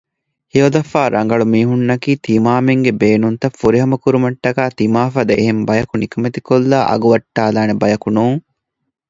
ހެޔޮލަފާ ރަނގަޅު މީހުންނަކީ ތިމާމެންގެ ބޭނުންތައް ފުރިހަމަކުރުމަށްޓަކައި ތިމާފަދަ އެހެން ބަޔަކު ނިކަމެތިކޮށްލައި އަގުވައްޓައިލާނެ ބަޔަކުނޫން